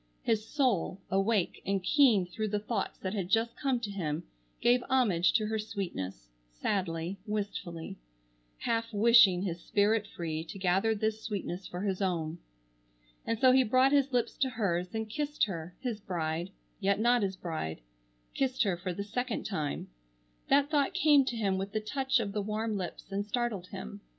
His soul, awake and keen through the thoughts that had just come to him, gave homage to her sweetness, sadly, wistfully, half wishing his spirit free to gather this sweetness for his own. And so he brought his lips to hers, and kissed her, his bride, yet not his bride. Kissed her for the second time. That thought came to him with the touch of the warm lips and startled him.